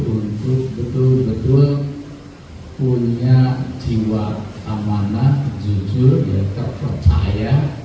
untuk betul betul punya jiwa amanah jujur dan terpercaya